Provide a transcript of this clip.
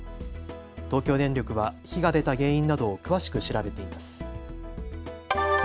東京電力は火が出た原因などを詳しく調べています。